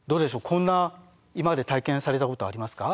こんな今まで体験されたことありますか？